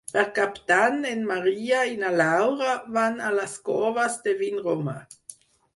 Per Cap d'Any en Maria i na Laura van a les Coves de Vinromà.